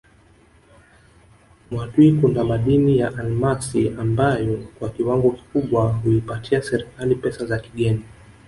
Mwadui kuna madini ya almasi ambayo kwa kiwango kikubwa huipatia serikali pesa za kigeni